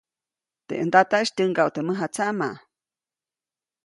Teʼ ndataʼis tyäŋgaʼu teʼ mäjatsaʼmaʼ.